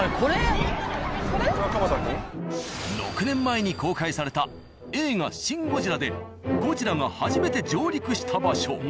６年前に公開された映画「シン・ゴジラ」でゴジラが初めて上陸した場所。